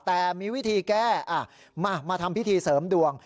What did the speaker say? แต่มีวิธีแก้มาทำพิธีเสริมดวง